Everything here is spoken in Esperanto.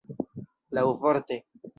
laŭvorte